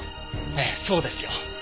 ええそうですよ。